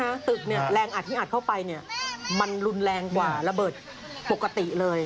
ตึกเนี่ยแรงอัดที่อัดเข้าไปเนี่ยมันรุนแรงกว่าระเบิดปกติเลย